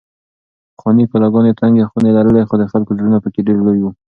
پخوانۍ کلاګانې تنګې خونې لرلې خو د خلکو زړونه پکې ډېر لوی وو.